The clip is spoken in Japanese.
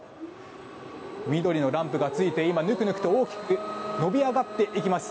緑のランプがついて今、大きく伸びあがっていきます。